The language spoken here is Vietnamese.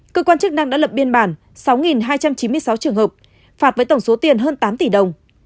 cơ quan chức năng đã lập biên bản sáu hai trăm chín mươi sáu trường hợp phạt với tổng số tiền hơn tám tỷ đồng